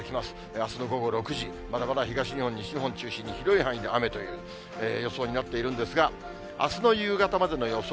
あすの午後６時、まだまだ東日本、西日本中心に、広い範囲で雨という予想になっているんですが、あすの夕方までの予想